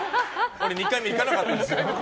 俺、２回目行かなかった。